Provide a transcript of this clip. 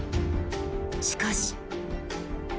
しかし。